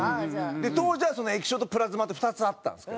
当時は液晶とプラズマと２つあったんですけど。